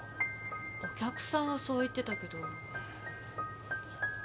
お客さんはそう言ってたけど。